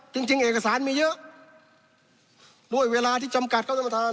จริงจริงเอกสารมีเยอะด้วยเวลาที่จำกัดครับท่านประธาน